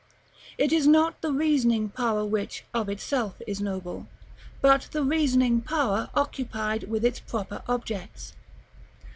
It is not the reasoning power which, of itself, is noble, but the reasoning power occupied with its proper objects.